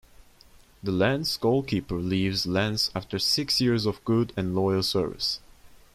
The Lens goalkeeper leaves Lens after six years of good and loyal service.